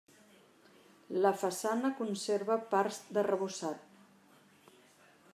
La façana conserva parts d'arrebossat.